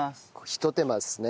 ひと手間ですね。